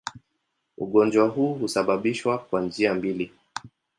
Ugonjwa huu husababishwa kwa njia mbili.